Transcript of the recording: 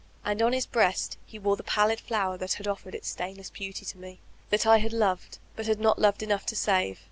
And on his breast he wore the pallid flower that had offered its stainless beauty to me, that I had toved,— «nd had not loved enough to save.